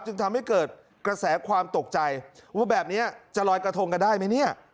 จึงทำให้เกิดกระแสความตกใจว่าแบบนี้จะลอยกระทงกันได้ไหมเนี่ย